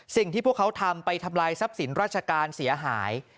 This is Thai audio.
สิ่งที่พวกเขาทำไปทำลายทรัพย์สินราชการเสียหาย